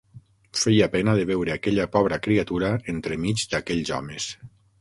Feia pena de veure aquella pobra criatura entremig d'aquells homes.